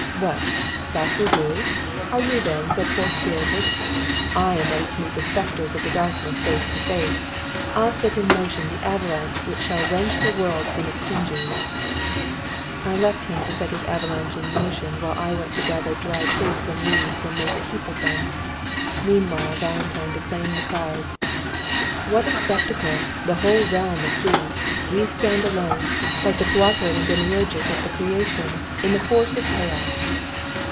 "What? That will do? Are you, then, so poor spirited? I am ready to meet the spectres of the darkness face to face. I'll set in motion the avalanche which shall wrench the world from its hinges." I left him to set his avalanche in motion while I went to gather dry twigs and leaves and make a heap of them. Meanwhile Valentine declaimed to the clouds. "What a spectacle! The whole realm a sea! We stand alone, like the co operating Demiurges at the creation, in the face of chaos."